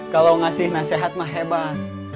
kalau ngasih nasihat mah hebat